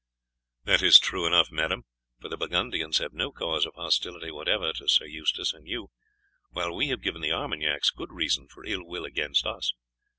"That is true enough, madame, for the Burgundians have no cause of hostility whatever to Sir Eustace and you, while we have given the Armagnacs good reasons for ill will against us.